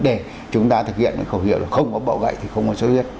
để chúng ta thực hiện cái khẩu hiệu là không có bậu gậy thì không có sốt huyết